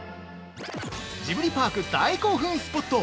ジブリパーク大興奮スポット。